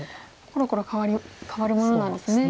ころころ変わるものなんですね。